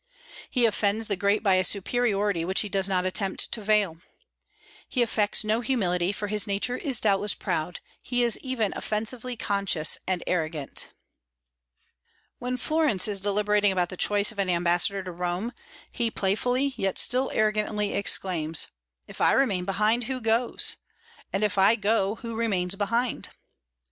He offends the great by a superiority which he does not attempt to veil. He affects no humility, for his nature is doubtless proud; he is even offensively conscious and arrogant. When Florence is deliberating about the choice of an ambassador to Rome, he playfully, yet still arrogantly, exclaims: "If I remain behind, who goes? and if I go, who remains behind?"